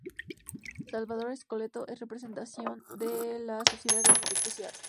Salvador Schelotto en representación de la Sociedad de Arquitectos y Arq.